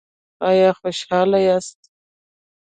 ایا خوشحاله یاست؟